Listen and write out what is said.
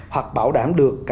hoặc bảo đảm được